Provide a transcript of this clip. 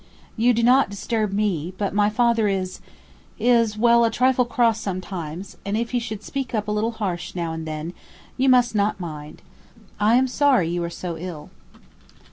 "You do not disturb me, but my father is is, well a trifle cross sometimes, and if he should speak up a little harsh now and then, you must not mind. I am sorry you are so ill."